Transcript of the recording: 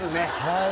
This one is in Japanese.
はい。